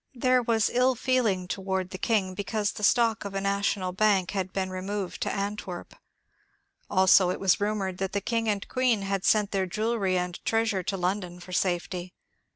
There was ill feeling toward the King because the stock of a national bank had been re moved to Antwerp ; also it was rumoured that the King and Queen had sent their jewelry and treasure to London for safety.